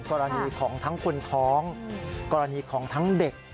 กรณีของทั้งคนท้องกรณีของทั้งเด็ก